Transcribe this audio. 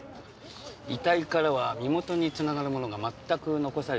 遺体からは身元に繋がるものが全く残されておりません。